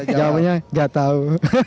jawabnya gak tau